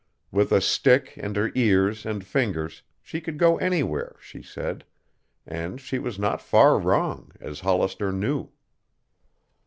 With a stick and her ears and fingers she could go anywhere, she said; and she was not far wrong, as Hollister knew.